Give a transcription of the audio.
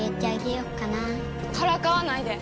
からかわないで！